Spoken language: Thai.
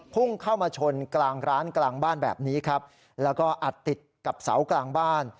พุ่งเข้ามาชนกลางร้านกลางบ้านแบบนี้ครับแล้วก็อัดติดกับเสากลางบ้าน